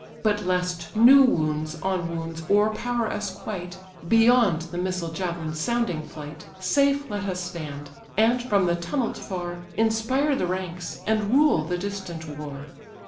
But lest new wounds on wounds o'erpower us quite, Beyond the missile javelin's sounding flight, Safe let us stand; and, from the tumult far, Inspire the ranks, and rule the distant war."